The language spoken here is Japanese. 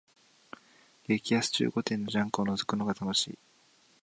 激安中古店のジャンクをのぞくのが楽しい